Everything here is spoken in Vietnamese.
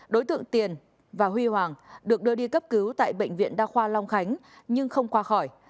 đối tượng tiền và huy hoàng được đưa đi cấp cứu tại bệnh viện đa khoa long khánh nhưng không qua khỏi